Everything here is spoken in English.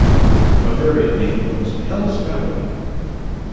A variant name was "Hells Valley".